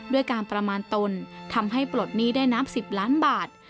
ด้วยการประมาณตนทำให้ปลดหนี้ได้นับ๑๐ล้านบาท